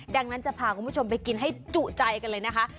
ดังนั้นจะพาคุณผู้ชมไปกินให้จุใจกันเลยนะคะ